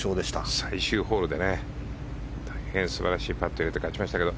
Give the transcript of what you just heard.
最終ホールで大変素晴らしいパットを入れて勝ちましたけど。